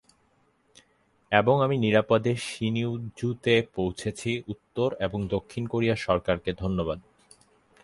এবং আমি নিরাপদে সিনিউইজুতে পৌঁছেছি, উত্তর এবং দক্ষিণ কোরিয়ার সরকারকে ধন্যবাদ।